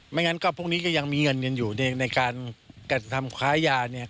งั้นก็พวกนี้ก็ยังมีเงินกันอยู่ในการกระทำค้ายาเนี่ย